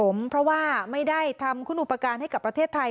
เพราะว่าไม่ได้ทำคุณอุปการณ์ให้กับประเทศไทย